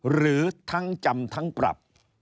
หรือทั้งจำทั้งปรับ